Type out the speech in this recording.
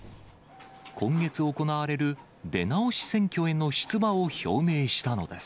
今月行われる出直し選挙への出馬を表明したのです。